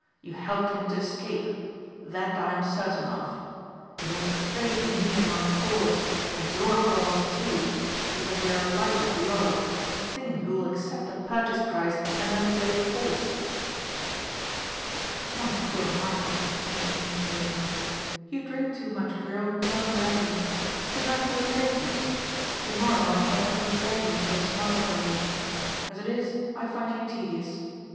You helped him to escape. That I am certain of. You have betrayed me and my cause and your cause too because you are a light of love, a thing who will accept a purchase price and then play false." "My poor Michæl," she said commiseratingly, "you drink too much of your own plum brandy. Tonight you are crazy. Tomorrow I shall have you begging for a smile from me. As it is I find you tedious.